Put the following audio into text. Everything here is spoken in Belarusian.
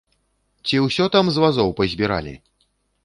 Ці ўсё там з вазоў пазбіралі?